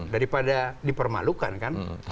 daripada dipermalukan kan